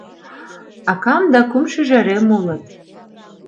Акам да кум шӱжарем улыт.